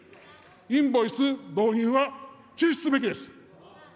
インボイス導入は中止すべきです。